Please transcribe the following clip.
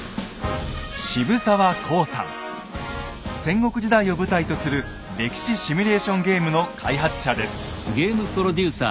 戦国時代を舞台とする歴史シミュレーションゲームの開発者です。